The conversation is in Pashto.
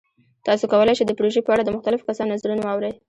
تاسو کولی شئ د پروژې په اړه د مختلفو کسانو نظرونه واورئ.